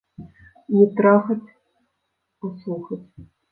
Не трахаць, а слухаць!